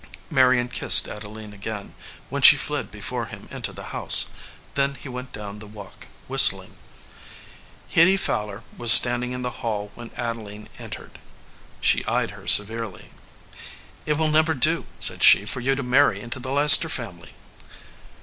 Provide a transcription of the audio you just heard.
Marion kissed Adeline again, when she fled be fore him into the house. Then he went down the walk whistling. Hitty Fowler was standing in the hall when Ade line entered. She eyed her severely. "It will never do !" said she, "for you to marry into the Leicester family."